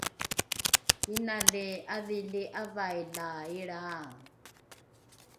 inali ’adhili ’avai la ilrae